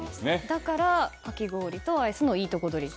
だから、かき氷とアイスのいいところどりと。